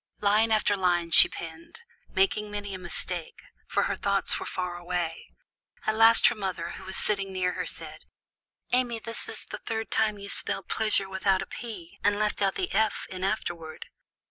Line after line she penned, making many a mistake, for her thoughts were far away. At last her mother, who was sitting near her, said, "Amy, this is the third time you have spelled pleasure without a 'p,' and left out the 'f' in afterward.